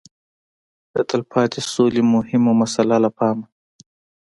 د تلپاتې سولې مهمه مساله له پامه